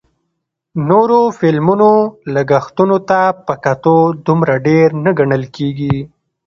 نورو فلمونو لګښتونو ته په کتو دومره ډېر نه ګڼل کېږي